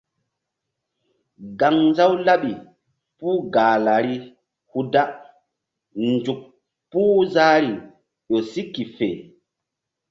Gaŋnzaw laɓi puh Gahlari hu da nzuk puh zahri ƴo si ke fe.